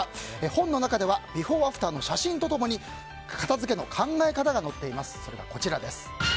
本の中ではビフォーアフターの写真と共に片付けの考え方が載っています。